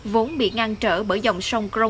vốn bị ngang trở bởi dòng sông crono